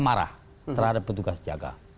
marah terhadap petugas jaga